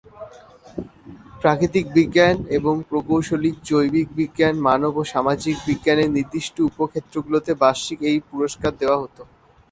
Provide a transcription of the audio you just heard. প্রাকৃতিক বিজ্ঞান এবং প্রকৌশল, জৈবিক বিজ্ঞান, মানব ও সামাজিক বিজ্ঞানের নির্দিষ্ট উপ-ক্ষেত্রগুলোতে বার্ষিক এই পুরস্কার দেওয়া হতো।